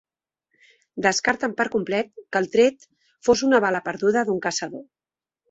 Descarten per complet que el tret fos una bala perduda d’un caçador.